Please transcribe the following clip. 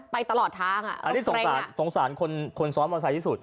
ตลอดทางอ่ะอันนี้สงสารสงสารคนคนซ้อนมอไซค์ที่สุด